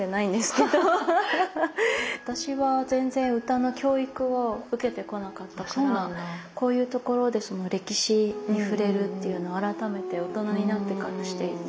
私は全然歌の教育を受けてこなかったからこういうところでその歴史に触れるっていうのを改めて大人になってからしていて。